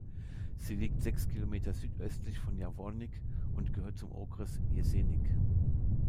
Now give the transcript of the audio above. Sie liegt sechs Kilometer südöstlich von Javorník und gehört zum Okres Jeseník.